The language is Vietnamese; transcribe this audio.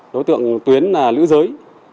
đối tượng tuyến là lữ giới